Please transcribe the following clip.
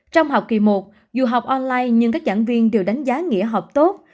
trong học kỳ một dù học online nhưng các giảng viên đều đánh giá nghĩa học tốt